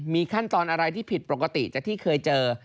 มีขั้นตอนอะไรที่ผิดปกติจากที่เคยเจอ